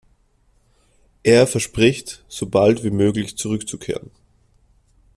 Er verspricht, so bald wie möglich zurückzukehren.